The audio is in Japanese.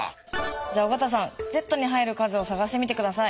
じゃあ尾形さんｚに入る数を探してみて下さい。